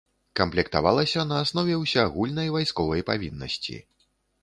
Камплектавалася на аснове ўсеагульнай вайсковай павіннасці.